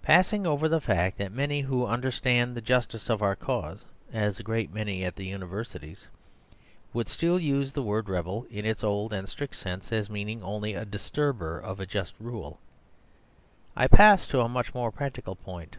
Passing over the fact that many who understand the justice of our cause (as a great many at the Universities) would still use the word "rebel" in its old and strict sense as meaning only a disturber of just rule. I pass to a much more practical point.